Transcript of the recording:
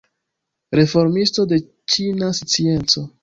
Reformisto de ĉina scienco.